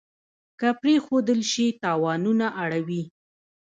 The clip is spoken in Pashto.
که پرېښودل شي تاوانونه اړوي.